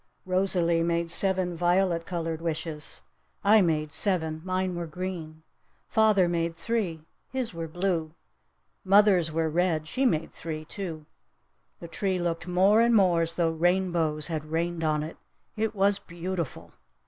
Rosalee made seven violet colored wishes! I made seven! Mine were green! Father made three! His were blue! Mother's were red! She made three, too! The tree looked more and more as tho rainbows had rained on it! It was beautiful!